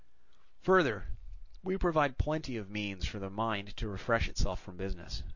"Further, we provide plenty of means for the mind to refresh itself from business.